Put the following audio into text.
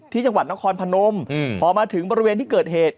ที่จังหวัดนครพนมพอมาถึงบริเวณที่เกิดเหตุ